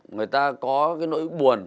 người ta có cái nỗi buồn